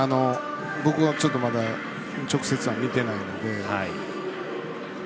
僕はちょっとまだ直接は見てないので。